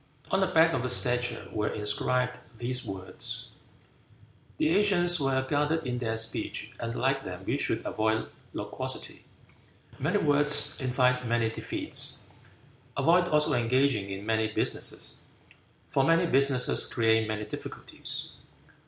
On the back of the statue were inscribed these words: "The ancients were guarded in their speech, and like them we should avoid loquacity. Many words invite many defeats. Avoid also engaging in many businesses, for many businesses create many difficulties."